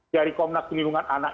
dari komnas penyelidikan anak